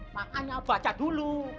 makanya baca dulu